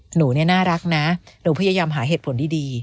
หนูเนี่ยน่ารักนะหนูพยายามหาเหตุผลดี